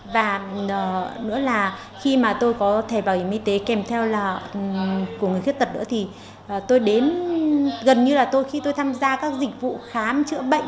và nữa là khi mà tôi có thể bảo hiểm y tế kèm theo là của người khuyết tật nữa thì tôi đến gần như là tôi khi tôi tham gia các dịch vụ khám chữa bệnh